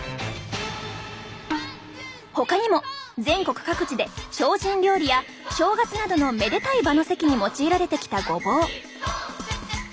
ほかにも全国各地で精進料理や正月などのめでたい場の席に用いられてきたごぼう。